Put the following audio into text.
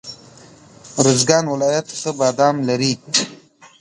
روزګان ولایت ښه بادام لري.